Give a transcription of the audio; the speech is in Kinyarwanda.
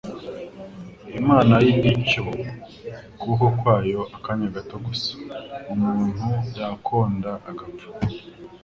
Imana yigijcyo ukuboko kwayo akanya gato gusa, umuntu yakonda, agapfa.